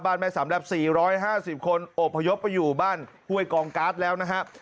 บ้านแม่สามแลปสี่ร้อยห้าสิบคนโอบพยพไปอยู่บ้านห้วยกองการ์ดแล้วนะฮะ